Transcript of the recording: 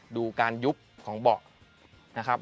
ดูการยุบของเบาะนะครับ